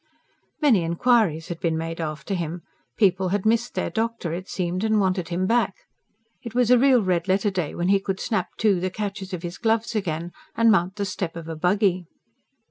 Many inquiries had been made after him. People had missed their doctor, it seemed, and wanted him back. It was a real red letter day when he could snap to the catches of his gloves again, and mount the step of a buggy.